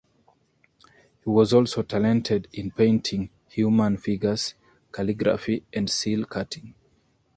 He was also talented in painting human figures, calligraphy, and seal cutting.